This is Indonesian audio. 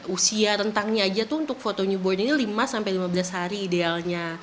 usia rentangnya aja tuh untuk fotonya boy ini lima sampai lima belas hari idealnya